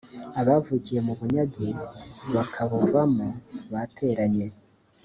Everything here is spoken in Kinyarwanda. abavukiye mu bunyage bakabuvamo bateranye